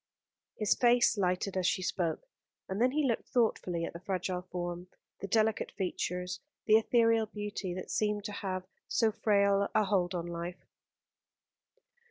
His face lighted as she spoke, and then he looked thoughtfully at the fragile form, the delicate features, the ethereal beauty that seemed to have so frail a hold on life.